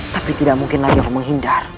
tapi tidak mungkin lagi kau menghindar